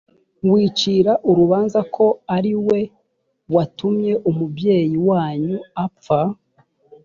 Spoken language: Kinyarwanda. wicira urubanza ko ari we watumye umubyeyi wanyu apfa